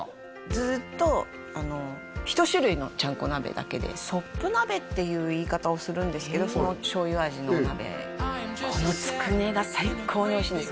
ずっとあの一種類のちゃんこ鍋だけでソップ鍋っていう言い方をするんですけどその醤油味のお鍋このつくねが最高においしいんです